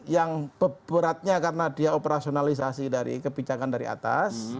yang beratnya karena dia operasionalisasi dari kebijakan dari atas